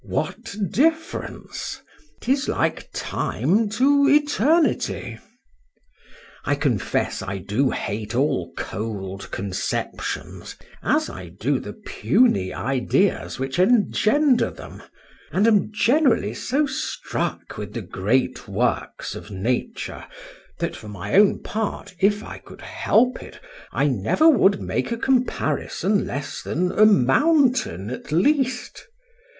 —What difference! 'tis like Time to Eternity! I confess I do hate all cold conceptions, as I do the puny ideas which engender them; and am generally so struck with the great works of nature, that for my own part, if I could help it, I never would make a comparison less than a mountain at least.